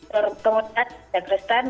menurut teman teman dan kristen